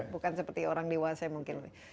bukan seperti orang dewasa mungkin